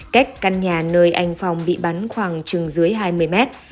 cách căn nhà nơi anh phong bị bắn khoảng chừng dưới hai mươi mét